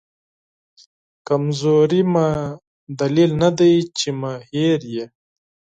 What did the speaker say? کمزوري مې دلیل ندی چې مې هېر یې